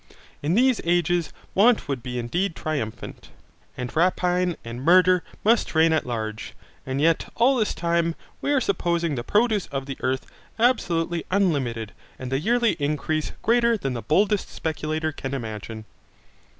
In these ages want would be indeed triumphant, and rapine and murder must reign at large: and yet all this time we are supposing the produce of the earth absolutely unlimited, and the yearly increase greater than the boldest speculator can imagine.